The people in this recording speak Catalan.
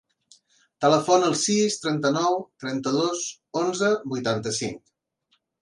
Telefona al sis, trenta-nou, trenta-dos, onze, vuitanta-cinc.